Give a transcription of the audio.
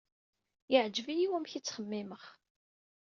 Yeɛjeb-iyi wamek ay ttxemmimeɣ.